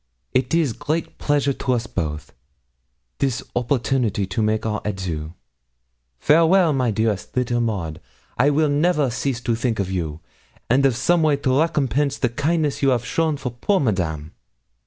It is great pleasure to us both this opportunity to make our adieux. Farewell! my dearest little Maud. I will never cease to think of you, and of some way to recompense the kindness you 'av shown for poor Madame.'